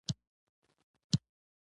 د عددونو ژبه د پوهې ژبه ده.